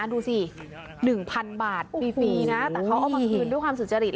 ดูสิ๑๐๐๐บาทฟรีนะแต่เขาเอามาคืนด้วยความสุจริต